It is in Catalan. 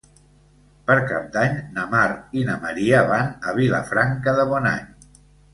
Per Cap d'Any na Mar i na Maria van a Vilafranca de Bonany.